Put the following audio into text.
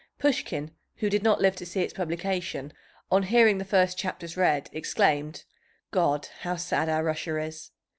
Pushkin, who did not live to see its publication, on hearing the first chapters read, exclaimed, "God, how sad our Russia is!"